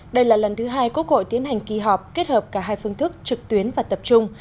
đây là lần thứ hai quốc hội tiến hành kỳ họp kết hợp cả hai phương thức trực tuyến và tập trung